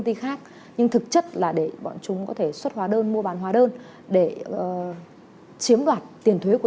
ty khác nhưng thực chất là để bọn chúng có thể xuất hóa đơn mua bán hóa đơn để chiếm đoạt tiền thuế của